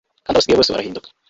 Kandi abasigaye bose barahinduka